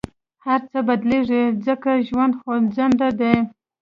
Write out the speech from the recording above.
هر څه بدلېږي، ځکه ژوند خوځنده دی.